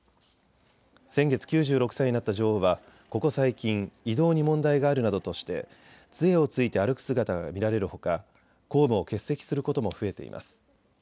先月９６歳になった女王はここ最近、移動に問題があるなどとして、つえをついて歩く姿が見られるほか公務を欠席することも増えています。